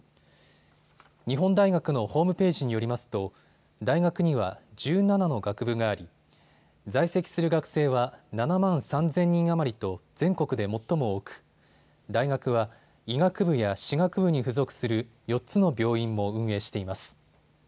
日本大学のホームページによりますと大学には１７の学部があり在籍する学生は７万３０００人余りと全国で最も多く大学は医学部や歯学部に付属する４つの病院も運営しています。